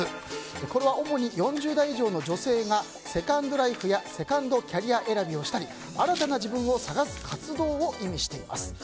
これは主に４０代以上の女性がセカンドライフやセカンドキャリア選びをしたり新たな自分を探す活動を意味しています。